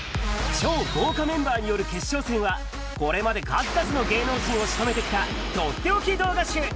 超豪華メンバーによる決勝戦は、これまで数々の芸能人をしとめてきた取って置き動画集。